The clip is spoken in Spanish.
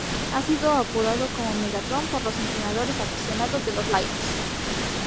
Ha sido apodado como ""Megatron"" por los entrenadores y aficionados de los Lions.